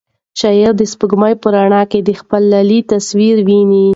شاعر د سپوږمۍ په رڼا کې د خپل لالي تصویر ویني.